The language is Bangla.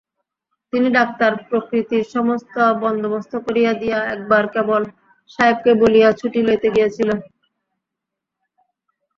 তিনি ডাক্তার প্রভৃতির সমস্ত বন্দোবস্ত করিয়া দিয়া একবার কেবল সাহেবকে বলিয়া ছুটি লইতে গিয়াছিলেন।